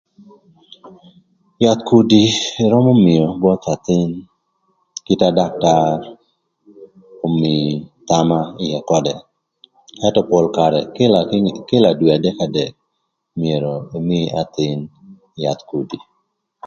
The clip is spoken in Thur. Yath kudi ërömö mïö both athïn kit na daktar omii thama ïë ködë. Ëntö pol karë kïla kinge kïla dwe adek adek myero ïmïï athïn yath kudi.